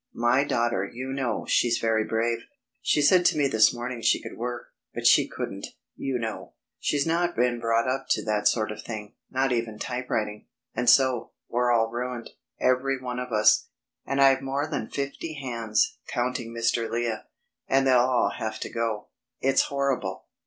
My daughter, you know, she's very brave, she said to me this morning she could work; but she couldn't, you know; she's not been brought up to that sort of thing ... not even typewriting ... and so ... we're all ruined ... everyone of us. And I've more than fifty hands, counting Mr. Lea, and they'll all have to go. It's horrible....